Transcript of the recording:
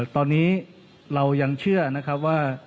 ตอนนี้เรายังเชื่อนะครับว่า